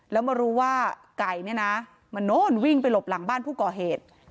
แล้วมารู้ว่าไก่เนี่ยนะมันโน้นวิ่งไปหลบหลังบ้านผู้ก่อเหตุ